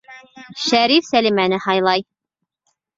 Шәриф Сәлимәне һайлай.